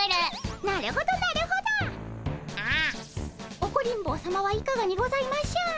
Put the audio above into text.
オコリン坊さまはいかがにございましょう？